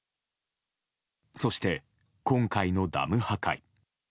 そして今回のダム破壊。